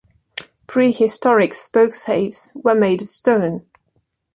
Prehistoric spokeshaves were made of stone.